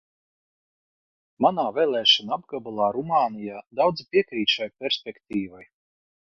Manā vēlēšanu apgabalā Rumānijā daudzi piekrīt šai perspektīvai.